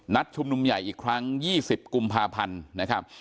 ชุมนุมใหญ่อีกครั้ง๒๐กุมภาพันธ์นะครับ